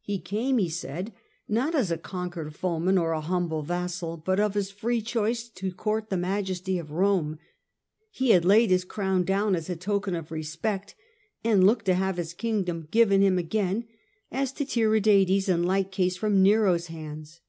He came, he said, not as a conquered foeman or a humble vassal, but of his free deposed, choice to court the majesty of Rome. He ^hen he"at had laid his crown down as a token of respect, tempted to but looked to have his kingdom given him *^' again, as to Tiridates in like case from Nero's hands.